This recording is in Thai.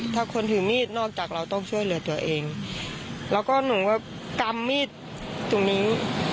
ถ้าคนถือมีดนอกจากเราต้องช่วยเหลือตัวเองแล้วก็หนูก็กำมีดตรงนี้